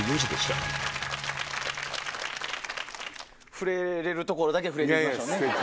触れれるところだけ触れていきましょうね。